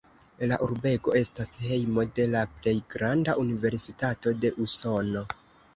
La urbego estas hejmo de la plej granda universitato de Usono.